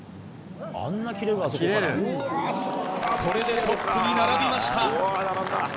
これでトップに並びました。